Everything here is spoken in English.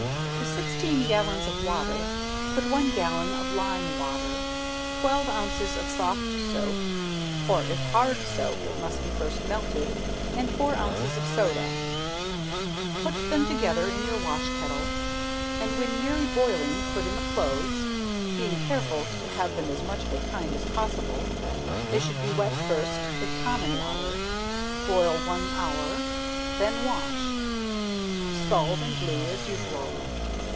To sixteen gallons of water, put one gallon of lime water; twelve ounces of soft soap, or if hard soap it must be first melted, and four ounces of soda, put them together in your wash kettle, and when nearly boiling, put in the clothes, being careful to have them as much of a kind as possible, they should be wet first with common water, boil one hour, then wash, scald and blue as usual.